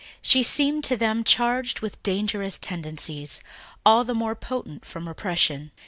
She seemed to them charged with dangerous tendencies all the more potent from repression.